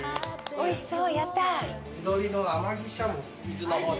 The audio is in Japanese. おいしそう！